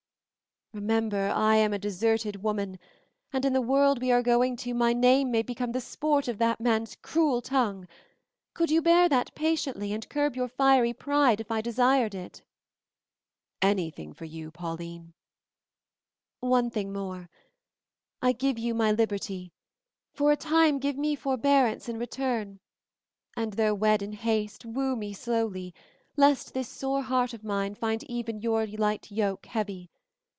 "Remember, I am a deserted woman, and in the world we are going to my name may become the sport of that man's cruel tongue. Could you bear that patiently; and curb your fiery pride if I desired it?" "Anything for you, Pauline!" "One thing more. I give you my liberty; for a time give me forbearance in return, and though wed in haste woo me slowly, lest this sore heart of mine find even your light yoke heavy.